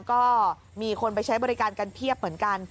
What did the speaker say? ก็มีคนไปใช้บริการกันเพียบเหมือนกัน